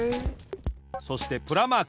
そして「プラ」マーク。